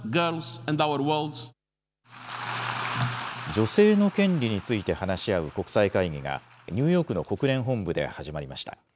女性の権利について話し合う国際会議が、ニューヨークの国連本部で始まりました。